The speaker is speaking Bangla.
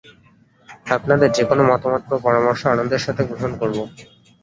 আপনাদের যেকোনো মতামত বা পরামর্শ আনন্দের সাথে গ্রহন করবো।